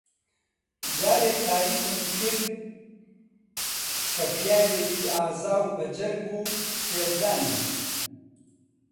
جارێک تاریفم کرد کە پیاوێکی ئازا و بە جەرگ و فێڵزانی